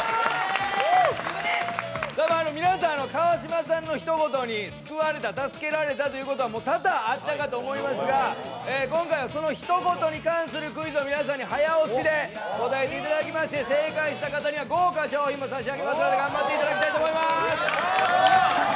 皆さん、川島さんのひと言に救われた、助けられたということは多々あったかと思いますが、今回はその一言に関するクイズを皆さんに早押しで答えていただきまして、正解した方には豪華賞品を差し上げますので頑張っていただきたいと思います。